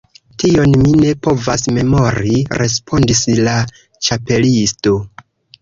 "Tion mi ne povas memori," respondis la Ĉapelisto.